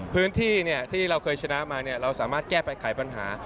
พื้นที่ที่เราเคยชนะมาเราสามารถแก้ไขปัญหา